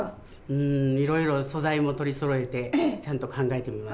うん色々素材も取りそろえてちゃんと考えてみます。